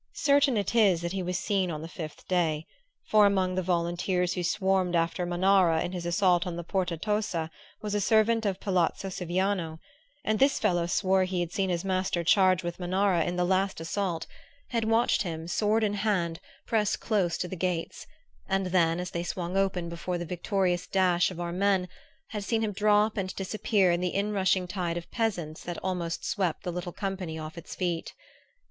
Certain it is that he was seen on the fifth day; for among the volunteers who swarmed after Manara in his assault on the Porta Tosa was a servant of palazzo Siviano; and this fellow swore he had seen his master charge with Manara in the last assault had watched him, sword in hand, press close to the gates, and then, as they swung open before the victorious dash of our men, had seen him drop and disappear in the inrushing tide of peasants that almost swept the little company off its feet.